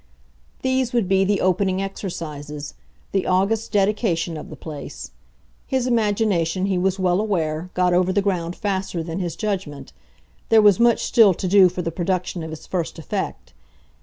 These would be the "opening exercises," the august dedication of the place. His imagination, he was well aware, got over the ground faster than his judgment; there was much still to do for the production of his first effect.